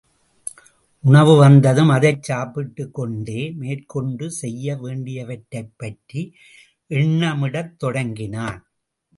உணவு வந்ததும் அதைச் சாப்பிட்டுக் கொண்டே மேற்கொண்டு செய்ய வேண்டியவற்றைப்பற்றி எண்ணமிடத் தொடங்கினான்.